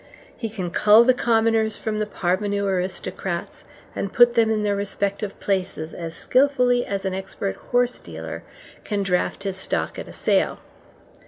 He can cull the commoners from the parvenu aristocrats, and put them in their respective places as skilfully as an expert horse dealer can draft his stock at a sale.